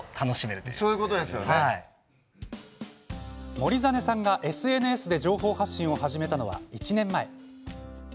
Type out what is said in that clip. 守實さんがＳＮＳで情報発信を始めたのは１年前。